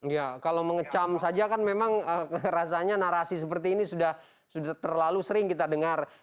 ya kalau mengecam saja kan memang rasanya narasi seperti ini sudah terlalu sering kita dengar